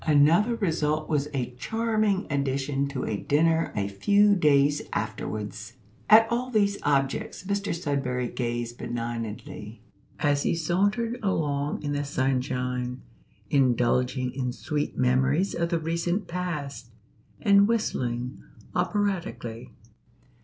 Another result was a charming addition to a dinner a few days afterwards. At all these objects Mr Sudberry gazed benignantly as he sauntered along in the sunshine, indulging in sweet memories of the recent past, and whistling operatically.